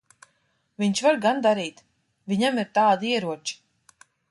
Viņš var gan darīt. Viņam ir tādi ieroči.